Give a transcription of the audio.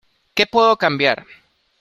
que puedo cambiar.